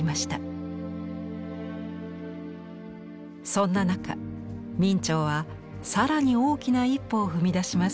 そんな中明兆は更に大きな一歩を踏み出します。